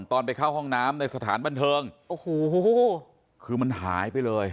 ไปเข้าห้องน้ำในสถานบันเทิงโอ้โหคือมันหายไปเลย